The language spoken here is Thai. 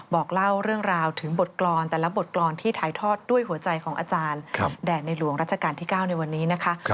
บอกเล่าเรื่องราวถึงบทกรรมแต่ละบทกรรมที่ถ่ายทอดด้วยหัวใจของอาจารย์แด่ในหลวงราชการที่๙ในวันนี้นะคะ